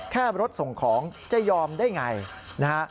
แค่รถส่งของจะยอมได้อย่างไร